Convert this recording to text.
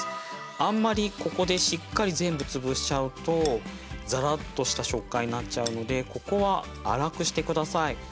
あんまりここでしっかり全部つぶしちゃうとザラッとした食感になっちゃうのでここは粗くしてください。